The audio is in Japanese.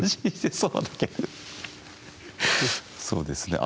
そうですね。